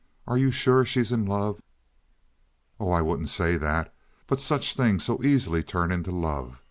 "Are you sure she's in love?" "Oh, I wouldn't say that, but such things so easily turn into love.